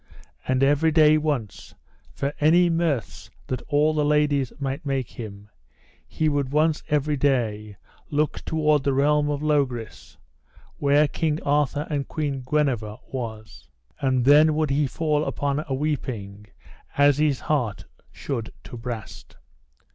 And every day once, for any mirths that all the ladies might make him, he would once every day look toward the realm of Logris, where King Arthur and Queen Guenever was. And then would he fall upon a weeping as his heart should to brast.